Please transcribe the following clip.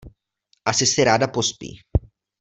Asi si ráda pospí.